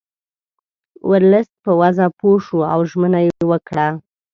ورلسټ په وضع پوه شو او ژمنه یې وکړه.